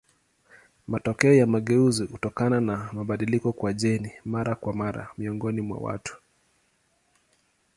Matokeo ya mageuzi hutokana na mabadiliko kwa jeni mara kwa mara miongoni mwa watu.